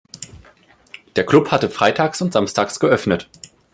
Der Club hatte freitags und samstags geöffnet.